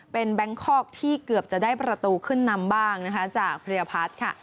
เป็นแบงคอกที่เกือบจะได้ประตูขึ้นนำบ้างนะคะจากพริยพัฒน์ค่ะ